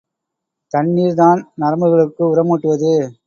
தண்ணீர் தான் நரம்புகளுக்கு உரமூட்டுவது.